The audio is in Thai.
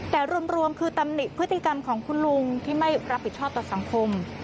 แต่รวมคือตำหนิพฤติกรรมของคุณลุงที่ไม่รับผิดชอบต่อสังคม